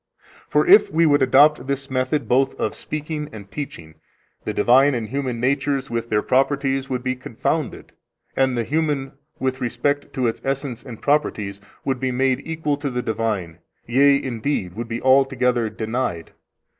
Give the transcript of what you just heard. For if we would adopt this method both of speaking and teaching, the divine and human natures with their properties would be confounded, and the human, with respect to its essence and properties, would be made equal to the divine, yea, indeed, would be altogether denied.